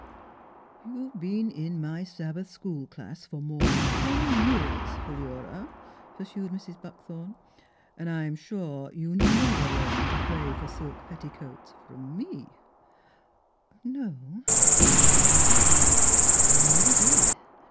" You've been in my Sabbath School class for more than ten years, Philura," pursued Mrs. Buckthorn, " an' I'm sure you never learned to pray for silk petti coats from 7W^." " No," admitted Miss Philura, " I never did."